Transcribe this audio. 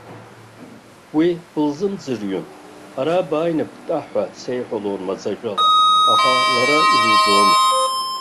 Уи былзымӡырҩын, ара бааины бтәа ҳәа сеиҳәалон маӡажәала, аха лара илуӡомызт.